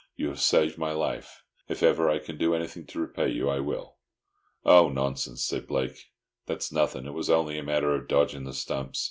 You have saved my life. If ever I can do anything to repay you I will." "Oh, nonsense," said Blake, "that's nothing. It was only a matter of dodging the stumps.